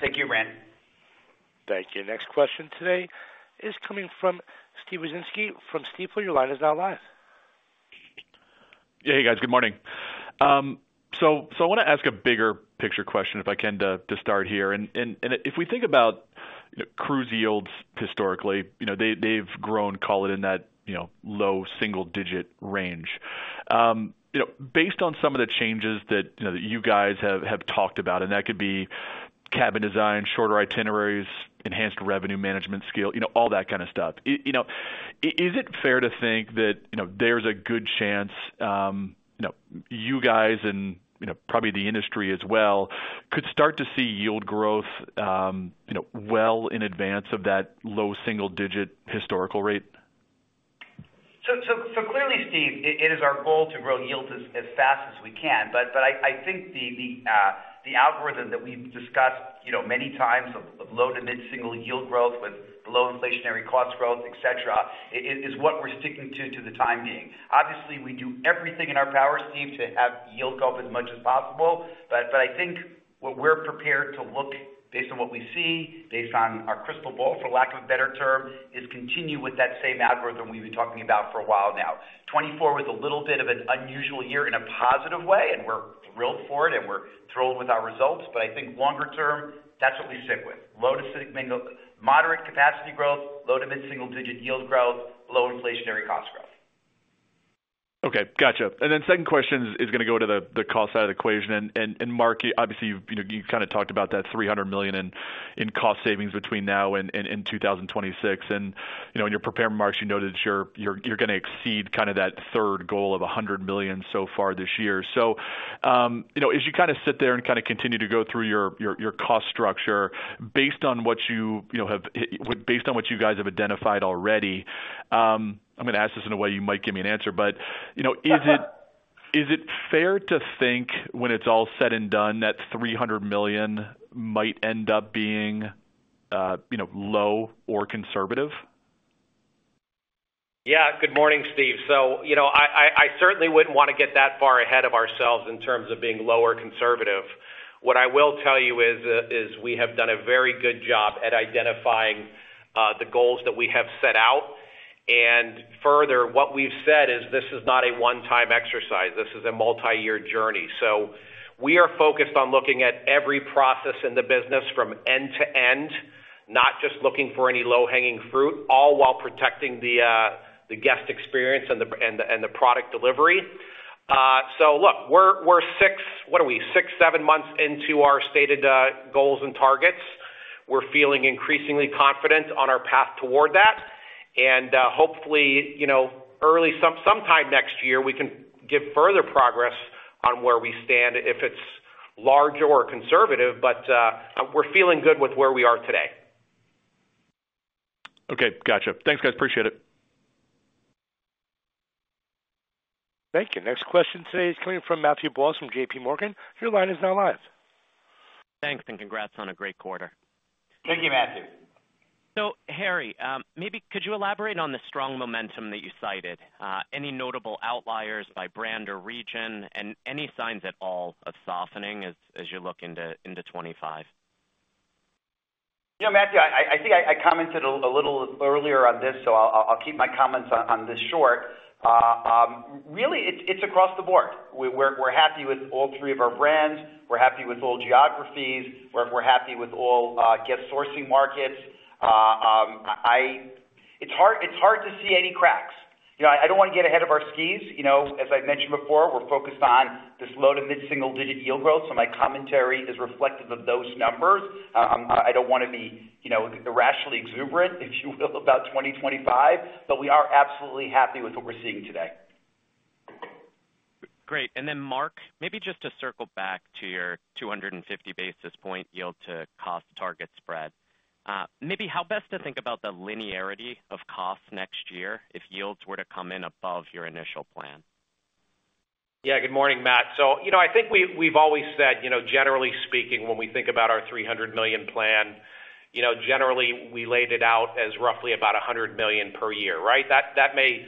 Thank you, Brant. Thank you. Next question today is coming from Steve Wieczynski from Stifel. Your line is now live. Yeah, hey, guys. Good morning. So I want to ask a bigger picture question, if I can, to start here, and if we think about cruise yields historically, they've grown, call it, in that low single-digit range. Based on some of the changes that you guys have talked about, and that could be cabin design, shorter itineraries, enhanced revenue management skill, all that kind of stuff, is it fair to think that there's a good chance you guys and probably the industry as well could start to see yield growth well in advance of that low single-digit historical rate? So clearly, Steve, it is our goal to grow yields as fast as we can. But I think the algorithm that we've discussed many times of low to mid-single yield growth with below inflationary cost growth, etc., is what we're sticking to for the time being. Obviously, we do everything in our power, Steve, to have yield go up as much as possible. But I think what we're prepared to guide based on what we see, based on our crystal ball, for lack of a better term, is continue with that same algorithm we've been talking about for a while now. 2024 was a little bit of an unusual year in a positive way, and we're thrilled for it, and we're thrilled with our results. But I think longer term, that's what we stick with. Low to moderate capacity growth, low to mid-single-digit yield growth, low inflationary cost growth. Okay. Gotcha. And then second question is going to go to the cost side of the equation. And Mark, obviously, you kind of talked about that $300 million in cost savings between now and 2026. And in your prepared remarks, you noted you're going to exceed kind of that third goal of $100 million so far this year. So as you kind of sit there and kind of continue to go through your cost structure, based on what you have based on what you guys have identified already, I'm going to ask this in a way you might give me an answer, but is it fair to think when it's all said and done that $300 million might end up being low or conservative? Yeah. Good morning, Steve. So I certainly wouldn't want to get that far ahead of ourselves in terms of being low or conservative. What I will tell you is we have done a very good job at identifying the goals that we have set out. And further, what we've said is this is not a one-time exercise. This is a multi-year journey. So we are focused on looking at every process in the business from end to end, not just looking for any low-hanging fruit, all while protecting the guest experience and the product delivery. So look, we're six, what are we, six, seven months into our stated goals and targets. We're feeling increasingly confident on our path toward that. And hopefully, early sometime next year, we can give further progress on where we stand if it's larger or conservative, but we're feeling good with where we are today. Okay. Gotcha. Thanks, guys. Appreciate it. Thank you. Next question today is coming from Matthew Boss from JP Morgan. Your line is now live. Thanks, and congrats on a great quarter. Thank you, Matthew. So Harry, maybe could you elaborate on the strong momentum that you cited? Any notable outliers by brand or region, and any signs at all of softening as you look into 2025? Yeah, Matthew, I think I commented a little earlier on this, so I'll keep my comments on this short. Really, it's across the board. We're happy with all three of our brands. We're happy with all geographies. We're happy with all guest sourcing markets. It's hard to see any cracks. I don't want to get ahead of our skis. As I mentioned before, we're focused on this low to mid-single-digit yield growth. So my commentary is reflective of those numbers. I don't want to be irrationally exuberant, if you will, about 2025, but we are absolutely happy with what we're seeing today. Great. And then Mark, maybe just to circle back to your 250 basis point yield to cost target spread, maybe how best to think about the linearity of costs next year if yields were to come in above your initial plan? Yeah. Good morning, Matt. So I think we've always said, generally speaking, when we think about our $300 million plan, generally, we laid it out as roughly about $100 million per year, right? That may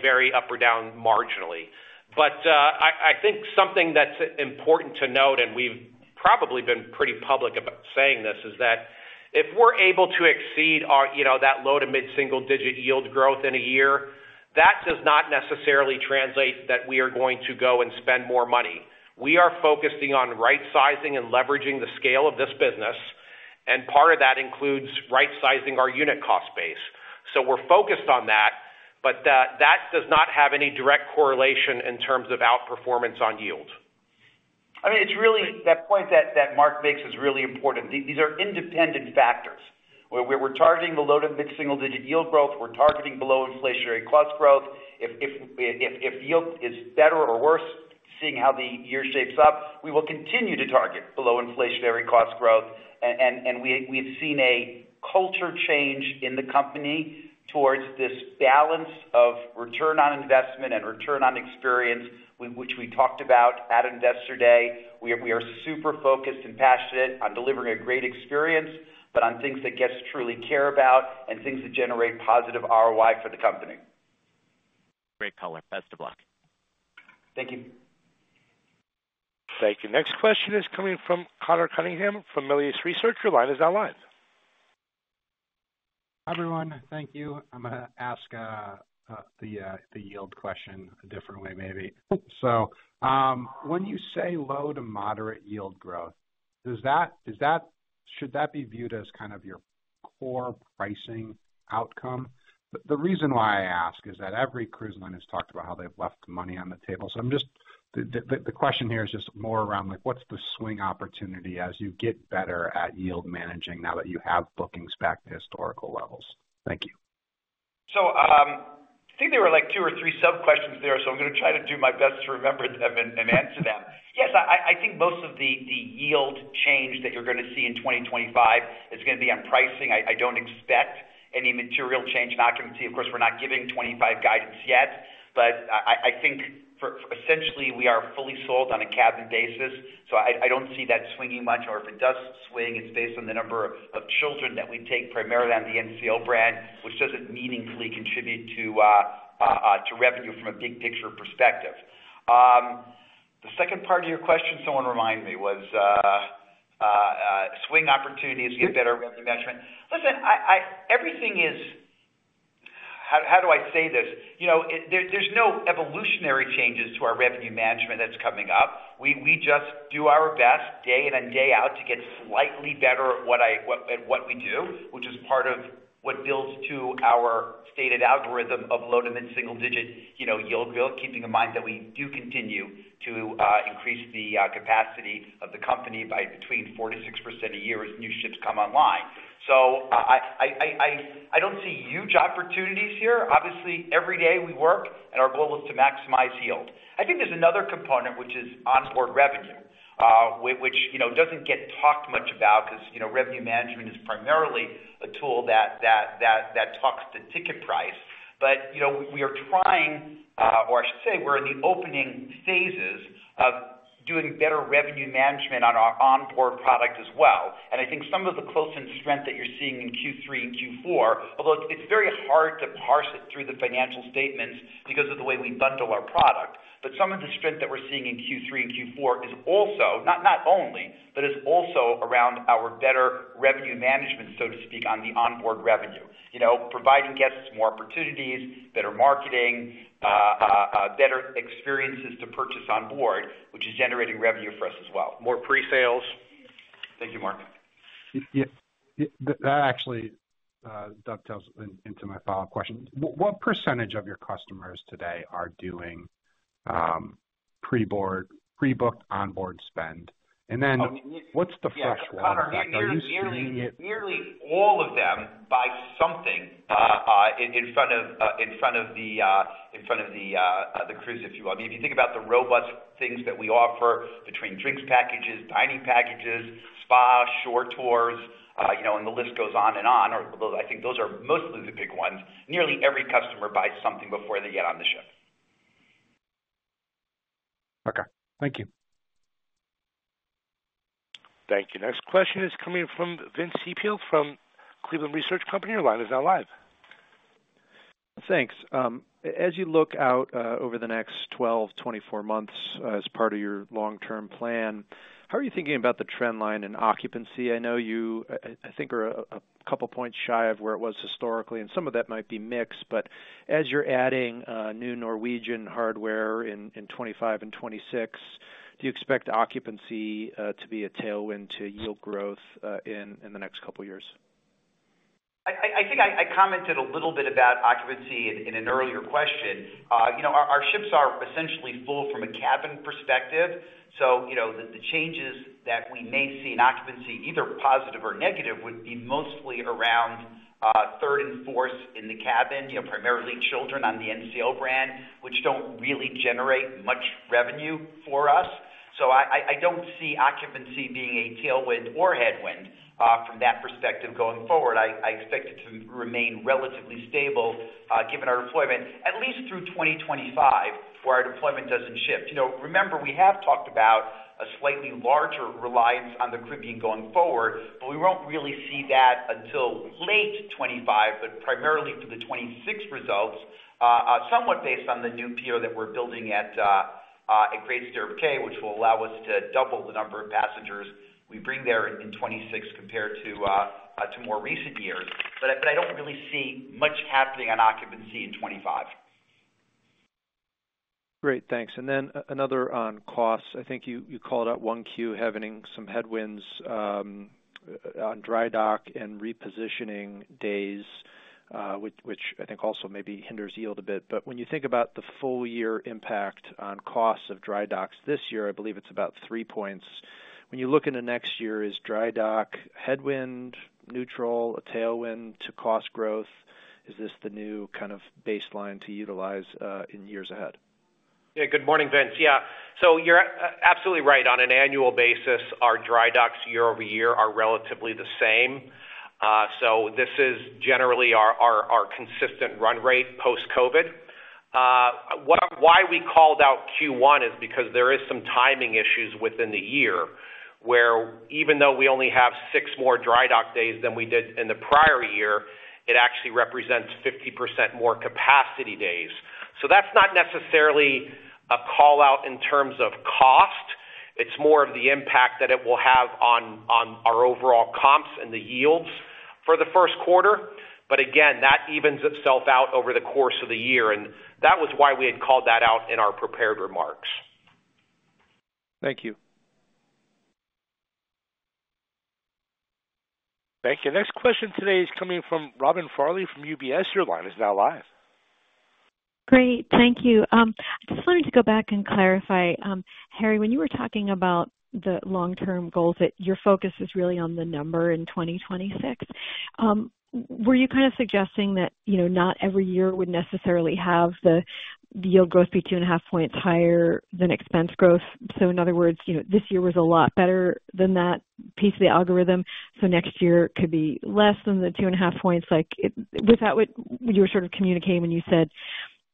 vary up or down marginally. But I think something that's important to note, and we've probably been pretty public about saying this, is that if we're able to exceed that low- to mid-single-digit yield growth in a year, that does not necessarily translate that we are going to go and spend more money. We are focusing on right-sizing and leveraging the scale of this business. And part of that includes right-sizing our unit cost base. So we're focused on that, but that does not have any direct correlation in terms of outperformance on yield. I mean, that point that Mark makes is really important. These are independent factors. We're targeting the low to mid-single-digit yield growth. We're targeting below inflationary cost growth. If yield is better or worse, seeing how the year shapes up, we will continue to target below inflationary cost growth. And we've seen a culture change in the company towards this balance of return on investment and return on experience, which we talked about at Investor Day. We are super focused and passionate on delivering a great experience, but on things that guests truly care about and things that generate positive ROI for the company. Great color. Best of luck. Thank you. Thank you. Next question is coming from Connor Cunningham from Melius Research. Your line is now live. Hi, everyone. Thank you. I'm going to ask the yield question a different way, maybe. So when you say low to moderate yield growth, should that be viewed as kind of your core pricing outcome? The reason why I ask is that every cruise line has talked about how they've left money on the table. So the question here is just more around what's the swing opportunity as you get better at yield managing now that you have bookings back to historical levels? Thank you. So I think there were like two or three sub questions there, so I'm going to try to do my best to remember them and answer them. Yes, I think most of the yield change that you're going to see in 2025 is going to be on pricing. I don't expect any material change in occupancy. Of course, we're not giving 2025 guidance yet, but I think essentially we are fully sold on a cabin basis. So I don't see that swinging much. Or if it does swing, it's based on the number of children that we take primarily on the NCL brand, which doesn't meaningfully contribute to revenue from a big picture perspective. The second part of your question, someone reminded me, was swing opportunities to get better revenue management. Listen, everything is, how do I say this? There's no evolutionary changes to our revenue management that's coming up. We just do our best day in and day out to get slightly better at what we do, which is part of what builds to our stated algorithm of low to mid-single-digit yield growth, keeping in mind that we do continue to increase the capacity of the company by between 4% to 6% a year as new ships come online. So I don't see huge opportunities here. Obviously, every day we work, and our goal is to maximize yield. I think there's another component, which is onboard revenue, which doesn't get talked much about because revenue management is primarily a tool that talks to ticket price. But we are trying, or I should say we're in the opening phases of doing better revenue management on our onboard product as well. And I think some of the close-in strength that you're seeing in Q3 and Q4, although it's very hard to parse it through the financial statements because of the way we bundle our product, but some of the strength that we're seeing in Q3 and Q4 is also not only, but is also around our better revenue management, so to speak, on the onboard revenue, providing guests more opportunities, better marketing, better experiences to purchase onboard, which is generating revenue for us as well. More pre-sales. Thank you, Mark. That actually dovetails into my follow-up question. What percentage of your customers today are doing pre-board, pre-booked onboard spend? And then what's the fresh one? Nearly all of them buy something in front of the cruise, if you will. I mean, if you think about the robust things that we offer between drinks packages, dining packages, spa, shore tours, and the list goes on and on. I think those are mostly the big ones. Nearly every customer buys something before they get on the ship. Okay. Thank you. Thank you. Next question is coming from Vince Ciepiel from Cleveland Research Company. Your line is now live. Thanks. As you look out over the next 12, 24 months as part of your long-term plan, how are you thinking about the trend line in occupancy? I know you, I think, are a couple points shy of where it was historically. And some of that might be mixed, but as you're adding new Norwegian hardware in 2025 and 2026, do you expect occupancy to be a tailwind to yield growth in the next couple of years? I think I commented a little bit about occupancy in an earlier question. Our ships are essentially full from a cabin perspective. So the changes that we may see in occupancy, either positive or negative, would be mostly around third and fourth in the cabin, primarily children on the NCL brand, which don't really generate much revenue for us. So I don't see occupancy being a tailwind or headwind from that perspective going forward. I expect it to remain relatively stable given our deployment, at least through 2025, where our deployment doesn't shift. Remember, we have talked about a slightly larger reliance on the Caribbean going forward, but we won't really see that until late 2025, but primarily for the 2026 results, somewhat based on the new pier that we're building at Great Stirrup Cay, which will allow us to double the number of passengers we bring there in 2026 compared to more recent years. But I don't really see much happening on occupancy in 2025. Great. Thanks. And then another on costs. I think you called out 1Q having some headwinds on dry dock and repositioning days, which I think also maybe hinders yield a bit. But when you think about the full-year impact on costs of dry docks this year, I believe it's about three points. When you look into next year, is dry dock headwind, neutral, a tailwind to cost growth? Is this the new kind of baseline to utilize in years ahead? Yeah. Good morning, Vince. Yeah. So you're absolutely right. On an annual basis, our dry docks year over year are relatively the same. So this is generally our consistent run rate post-COVID. Why we called out Q1 is because there are some timing issues within the year where, even though we only have six more dry dock days than we did in the prior year, it actually represents 50% more capacity days. So that's not necessarily a callout in terms of cost. It's more of the impact that it will have on our overall comps and the yields for the first quarter. But again, that evens itself out over the course of the year. And that was why we had called that out in our prepared remarks. Thank you. Thank you. Next question today is coming from Robin Farley from UBS. Your line is now live. Great. Thank you. I just wanted to go back and clarify, Harry, when you were talking about the long-term goals that your focus is really on the number in 2026, were you kind of suggesting that not every year would necessarily have the yield growth be two and a half points higher than expense growth? So in other words, this year was a lot better than that piece of the algorithm, so next year could be less than the two and a half points. Was that what you were sort of communicating when you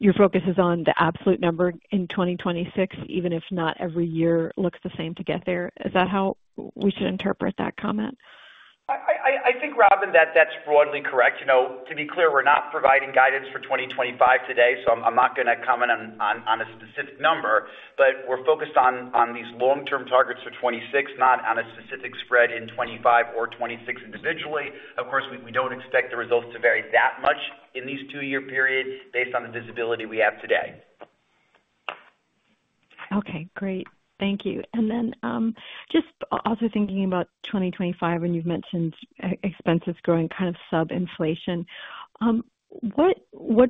said your focus is on the absolute number in 2026, even if not every year looks the same to get there? Is that how we should interpret that comment? I think, Robin, that's broadly correct. To be clear, we're not providing guidance for 2025 today, so I'm not going to comment on a specific number. But we're focused on these long-term targets for 2026, not on a specific spread in 2025 or 2026 individually. Of course, we don't expect the results to vary that much in these two-year periods based on the visibility we have today. Okay. Great. Thank you. And then just also thinking about 2025, when you've mentioned expenses growing kind of sub-inflation, what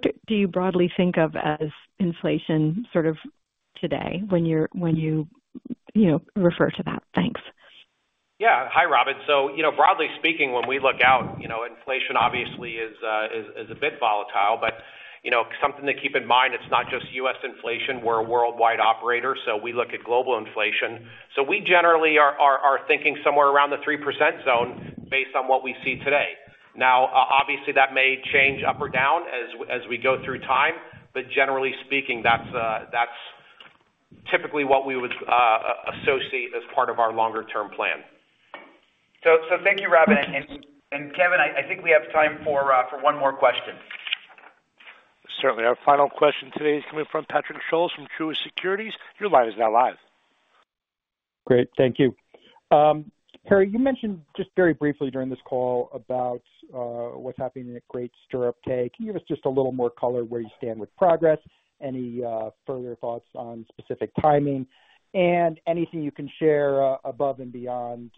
do you broadly think of as inflation sort of today when you refer to that? Thanks. Yeah. Hi, Robin. So broadly speaking, when we look out, inflation obviously is a bit volatile. But something to keep in mind, it's not just U.S. inflation. We're a worldwide operator, so we look at global inflation. So we generally are thinking somewhere around the 3% zone based on what we see today. Now, obviously, that may change up or down as we go through time, but generally speaking, that's typically what we would associate as part of our longer-term plan. So thank you, Robin. And Kevin, I think we have time for one more question. Certainly. Our final question today is coming from Patrick Scholes from Truist Securities. Your line is now live. Great. Thank you. Harry, you mentioned just very briefly during this call about what's happening at Great Stirrup Cay. Can you give us just a little more color where you stand with progress, any further thoughts on specific timing, and anything you can share above and beyond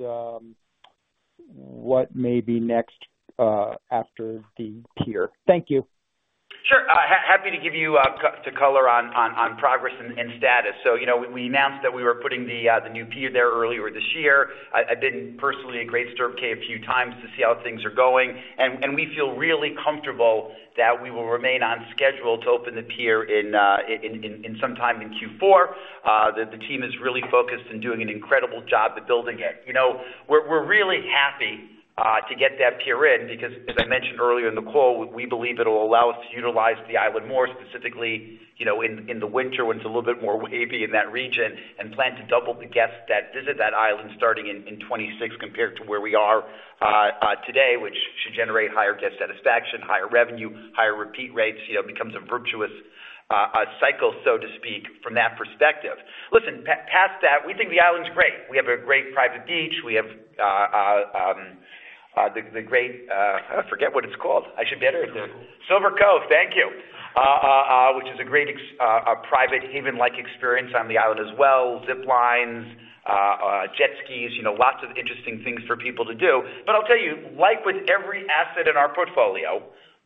what may be next after the pier? Thank you. Sure. Happy to give you some color on progress and status. So we announced that we were putting the new pier there earlier this year. I've been personally at Great Stirrup Cay a few times to see how things are going. And we feel really comfortable that we will remain on schedule to open the pier sometime in Q4. The team is really focused and doing an incredible job at building it. We're really happy to get that pier in because, as I mentioned earlier in the call, we believe it'll allow us to utilize the island more specifically in the winter when it's a little bit more wavy in that region and plan to double the guests that visit that island starting in 2026 compared to where we are today, which should generate higher guest satisfaction, higher revenue, higher repeat rates, becomes a virtuous cycle, so to speak, from that perspective. Listen, past that, we think the island's great. We have a great private beach. We have the great—I forget what it's called. I should know it by heart. Silver Cove. Silver Cove. Thank you. Which is a great private haven-like experience on the island as well. Zip lines, jet skis, lots of interesting things for people to do. But I'll tell you, like with every asset in our portfolio,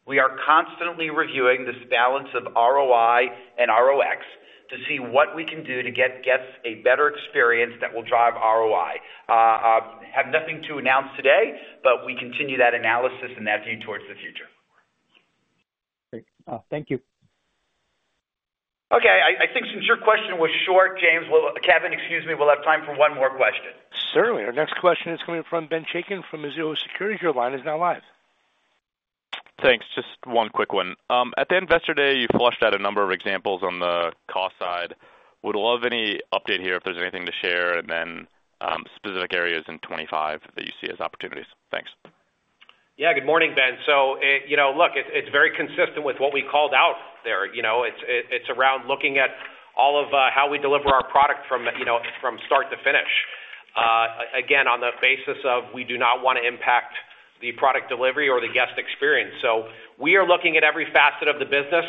we are constantly reviewing this balance of ROI and ROX to see what we can do to get guests a better experience that will drive ROI. Have nothing to announce today, but we continue that analysis and that view towards the future. Great. Thank you. Okay. I think since your question was short, James, Kevin, excuse me, we'll have time for one more question. Certainly. Our next question is coming from Ben Chaiken from Mizuho Securities. Your line is now live. Thanks. Just one quick one. At the investor day, you fleshed out a number of examples on the cost side. Would love any update here if there's anything to share and then specific areas in 2025 that you see as opportunities. Thanks. Yeah. Good morning, Ben. So look, it's very consistent with what we called out there. It's around looking at all of how we deliver our product from start to finish. Again, on the basis of we do not want to impact the product delivery or the guest experience. So we are looking at every facet of the business.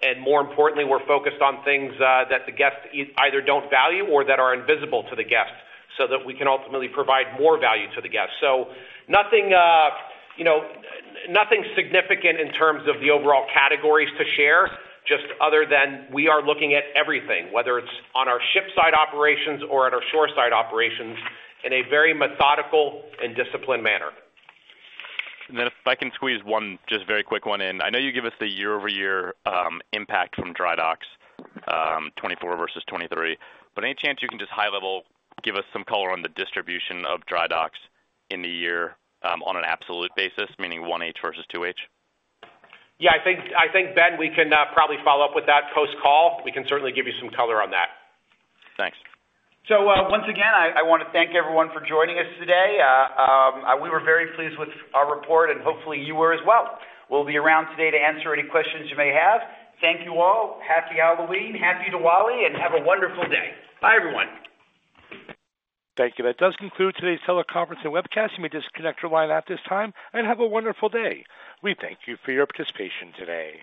And more importantly, we're focused on things that the guests either don't value or that are invisible to the guests so that we can ultimately provide more value to the guests. So nothing significant in terms of the overall categories to share, just other than we are looking at everything, whether it's on our ship-side operations or at our shore-side operations in a very methodical and disciplined manner. Then if I can squeeze one just very quick one in. I know you give us the year-over-year impact from dry docks, 2024 versus 2023. Any chance you can just high-level give us some color on the distribution of dry docks in the year on an absolute basis, meaning 1H versus 2H? Yeah. I think, Ben, we can probably follow up with that post-call. We can certainly give you some color on that. Thanks. So once again, I want to thank everyone for joining us today. We were very pleased with our report, and hopefully, you were as well. We'll be around today to answer any questions you may have. Thank you all. Happy Halloween, happy Diwali, and have a wonderful day. Bye, everyone. Thank you. That does conclude today's teleconference and webcast. You may disconnect your line at this time and have a wonderful day. We thank you for your participation today.